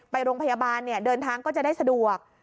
ไปโรงพยาบาลเนี่ยเดินทางก็จะได้สะดวก